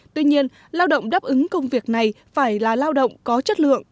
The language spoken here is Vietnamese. tuy nhiên lao động đáp ứng công việc này phải là lao động có chất lượng